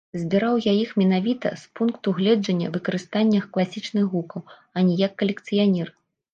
Збіраў я іх менавіта з пункту гледжання выкарыстання класічных гукаў, а не як калекцыянер.